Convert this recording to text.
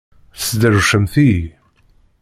Tesderwcemt-iyi!